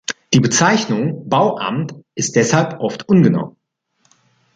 Die Bezeichnung Bauamt ist deshalb oft ungenau.